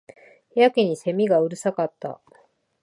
やけに蝉がうるさかった